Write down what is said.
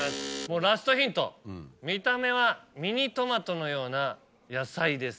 もうラストヒント見た目はミニトマトのような野菜です。